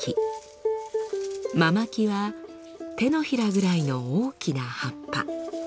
ママキは手のひらぐらいの大きな葉っぱ。